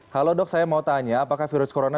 halo dok saya mau tanya apakah virus corona